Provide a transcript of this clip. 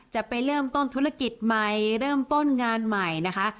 จะไปเริ่มต้นธุรกิจใหม่เริ่มต้นงานใหม่นะคะ